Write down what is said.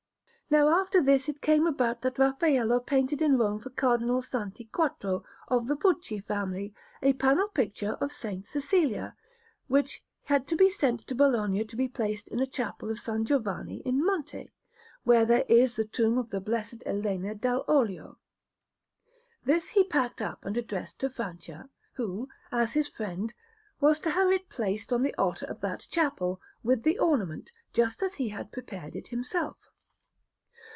Now after this it came about that Raffaello painted in Rome for Cardinal Santi Quattro, of the Pucci family, a panel picture of S. Cecilia, which had to be sent to Bologna to be placed in a chapel of S. Giovanni in Monte, where there is the tomb of the Blessed Elena dall' Olio. This he packed up and addressed to Francia, who, as his friend, was to have it placed on the altar of that chapel, with the ornament, just as he had prepared it himself.